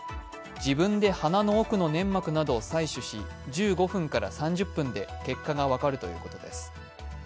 自分で鼻の奥の粘膜などを採取し１５分から３０分で結果が分かるということです。